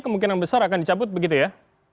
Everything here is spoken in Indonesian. kemungkinan besar akan dicabut begitu ya